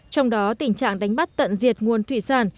trong đó tình trạng đánh bắt tận diệt nguồn thủy sản